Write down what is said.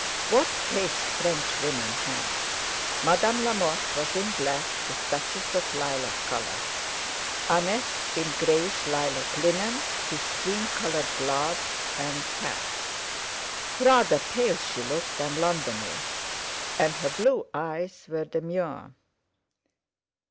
What taste Frenchwomen had! Madame Lamotte was in black with touches of lilac colour, Annette in greyish lilac linen, with cream coloured gloves and hat. Rather pale she looked and Londony; and her blue eyes were demure.